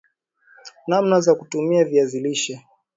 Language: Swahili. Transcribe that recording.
namna za kutumia viazi lishe